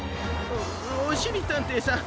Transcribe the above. おおしりたんていさん